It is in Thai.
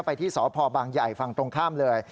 ไปที่สพบางใหญ่ฝั่งตรงข้ามเลย